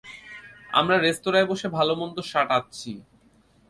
আমরা রেস্তরাঁয় বসে ভালোমন্দ সাঁটাচ্ছি।